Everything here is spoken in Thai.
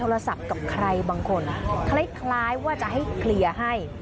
ร้ายว่าจะให้เคลียร์ให้